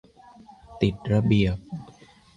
ติดระเบียบ